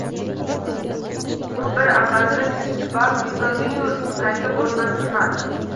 U bir agʻdarilib yuztuban yiqildi-yu, qaytib oʻrnidan turmadi.